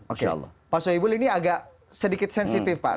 oke pak soebul ini agak sedikit sensitif pak